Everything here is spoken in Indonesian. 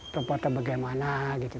tempatnya bagaimana gitu